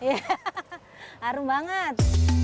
ya arum banget